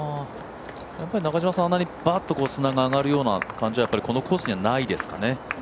中嶋さん、あんなにバーッと砂が上がるような感じはこのコースにはないですかね？